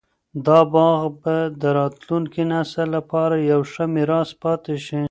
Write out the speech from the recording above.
دا باغ به د راتلونکي نسل لپاره یو ښه میراث پاتې شي.